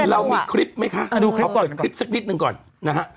เอาเปิดคลิปซักนิดหนึ่งค่ะ